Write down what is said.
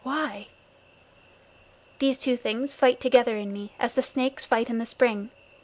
Why? These two things fight together in me as the snakes fight in the spring.